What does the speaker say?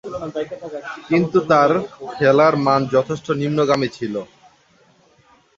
কিন্তু, তার খেলার মান যথেষ্ট নিম্নগামী ছিল।